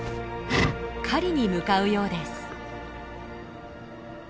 狩りに向かうようです。